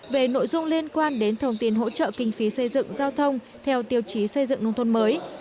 về nội dung liên quan đến thông tin hỗ trợ kinh phí xây dựng giao thông theo tiêu chí xây dựng nông thôn mới